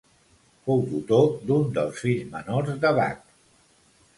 Fou tutor d'un dels fills menors de Bach.